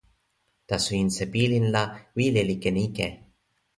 taso insa pilin la wile li ken ike.